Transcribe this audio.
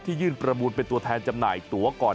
ยื่นประมูลเป็นตัวแทนจำหน่ายตัวก่อน